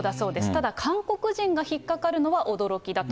ただ、韓国人が引っ掛かるのは驚きだと。